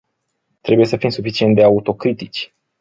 Trebuie să fim suficient de autocritici.